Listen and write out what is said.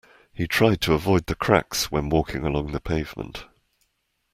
He tried to avoid the cracks when walking along the pavement